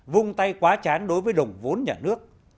vung tay quá chán đối với đồng vốn nhà nước